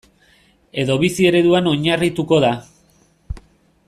Edo bizi ereduan oinarrituko da.